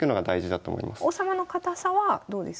王様の堅さはどうですか？